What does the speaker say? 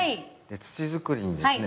土づくりにですね